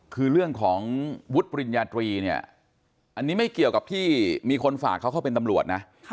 คือเรื่องของวุฒิปริญญาตรีเนี่ยอันนี้ไม่เกี่ยวกับที่มีคนฝากเขาเข้าเป็นตำรวจนะ